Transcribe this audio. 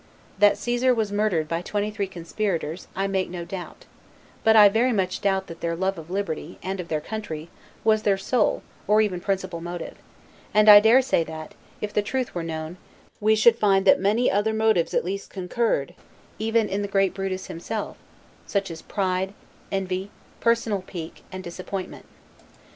That Caesar was murdered by twenty three conspirators, I make no doubt: but I very much doubt that their love of liberty, and of their country, was their sole, or even principal motive; and I dare say that, if the truth were known, we should find that many other motives at least concurred, even in the great Brutus himself; such as pride, envy, personal pique, and disappointment.